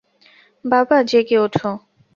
বাবা, জেগে ওঠো।